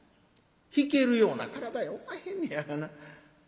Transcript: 弾けるような体やおまへんねやがな。